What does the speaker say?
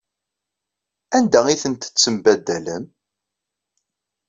Anda ay tent-tembaddalem?